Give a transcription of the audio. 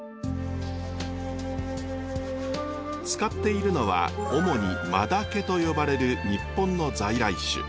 使っているのは主に真竹と呼ばれる日本の在来種。